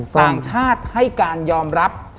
ต่างชาติให้การยอมรับ